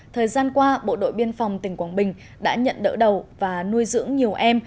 thời gian qua bộ đội biên phòng tỉnh quảng bình đã nhận đỡ đầu và nuôi dưỡng nhiều em